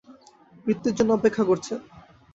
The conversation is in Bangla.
মৃত্যুর জন্যে অপেক্ষা করছেন।